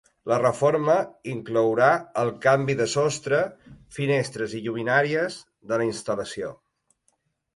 La reforma inclourà el canvi de sostre, finestres i lluminàries de la instal·lació.